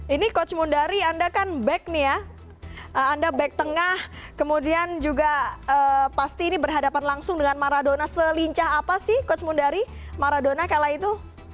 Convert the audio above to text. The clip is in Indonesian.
ini coach mundari anda kan back nih ya anda back tengah kemudian juga pasti ini berhadapan langsung dengan maradona selincah apa sih coach mundari maradona kala itu